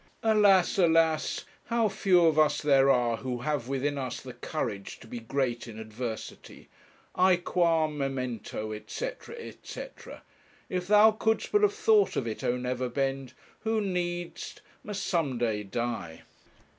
Alas, alas! how few of us there are who have within us the courage to be great in adversity. 'Aequam memento' &c., &c.! if thou couldst but have thought of it, O Neverbend, who need'st must some day die.